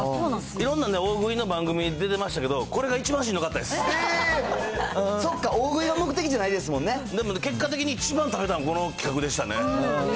いろんな大食いの番組出てましたけど、そっか、大食いが目的じゃなでもね、結果的に一番食べたん、この企画でしたね。